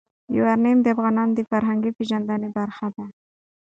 یورانیم د افغانانو د فرهنګي پیژندنې برخه ده.